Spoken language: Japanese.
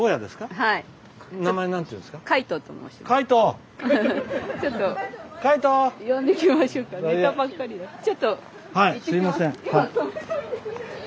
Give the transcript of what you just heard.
はいすいません。